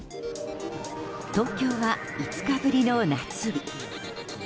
東京は５日ぶりの夏日。